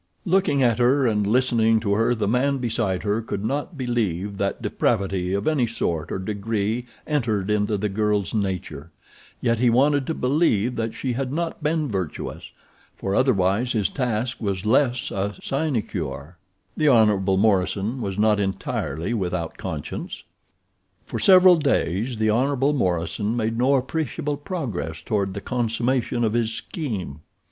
Looking at her and listening to her the man beside her could not believe that depravity of any sort or degree entered into the girl's nature, yet he wanted to believe that she had not been virtuous, for otherwise his task was less a sinecure—the Hon. Morison was not entirely without conscience. For several days the Hon. Morison made no appreciable progress toward the consummation of his scheme.